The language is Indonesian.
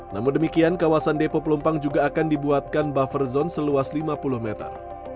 namun demikian kawasan depo pelumpang juga akan dibuatkan buffer zone seluas lima puluh meter